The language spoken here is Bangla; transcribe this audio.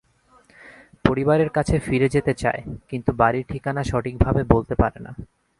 পরিবারের কাছে ফিরে যেতে চায়, কিন্তু বাড়ির ঠিকানা সঠিকভাবে বলতে পারে না।